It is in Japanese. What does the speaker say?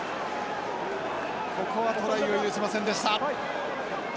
ここはトライを許しませんでした。